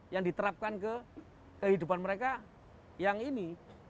yang diterapkan ke kehidupan mereka yang ini